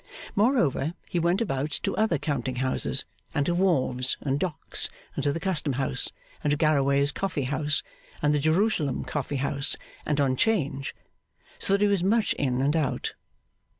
Moreover, he went about to other counting houses, and to wharves, and docks, and to the Custom House, and to Garraway's Coffee House, and the Jerusalem Coffee House, and on 'Change; so that he was much in and out.